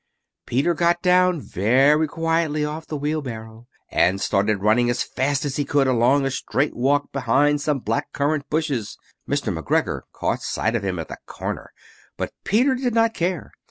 Peter got down very quietly off the wheelbarrow; and started running as fast as he could go, along a straight walk behind some black currant bushes. Mr. McGregor caught sight of him at the corner, but Peter did not care.